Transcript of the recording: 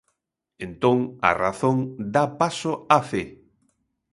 Entón a razón dá paso á fe.